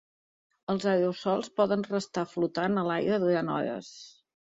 Els aerosols poden restar flotant a l’aire durant hores.